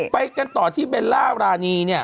ไปกันต่อที่เบลล่ารานี